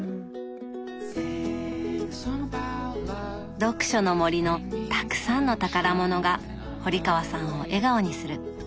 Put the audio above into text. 読書の森のたくさんの宝物が堀川さんを笑顔にする。